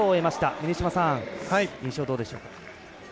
峰島さん印象、どうでしょうか？